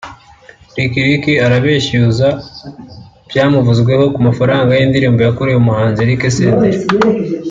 Lick Lick arabeshyuza ibyamuvuzweho ku mafaranga y’indirimbo yakoreye umuhanzi Eric Senderi